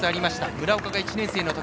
村岡が１年生の時。